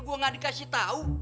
gua gak dikasih tau